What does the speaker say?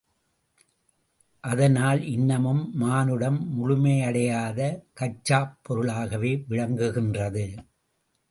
அதனால் இன்னமும் மானுடம் முழுமையடையாத கச்சாப் பொருளாகவே விளங்குகின்றது.